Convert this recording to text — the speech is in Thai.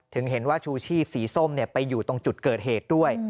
ถึงเห็นว่าชูชีพสีส้มไปอยู่ตรงจุดเกิดเหตุด้วย